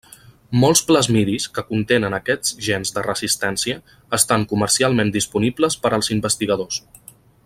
Molts plasmidis que contenen aquests gens de resistència estan comercialment disponibles per als investigadors.